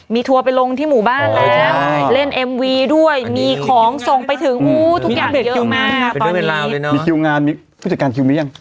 มีทัวร์ไปลงที่หมู่บ้านแล้วเล่นเอ็มวีด้วยมีของส่งไปถึงอู้ทุกอย่างเยอะมากมีคิวงานมีผู้จัดการคิวหรือยัง